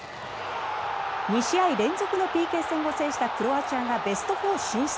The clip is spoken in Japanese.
２試合連続のＰＫ戦を制したクロアチアがベスト４進出。